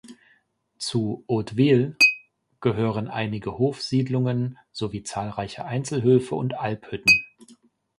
Zu Hauteville gehören einige Hofsiedlungen sowie zahlreiche Einzelhöfe und Alphütten.